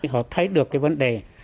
họ thấy được cái vấn đề